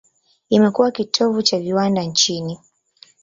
Imekuwa kitovu cha viwanda nchini.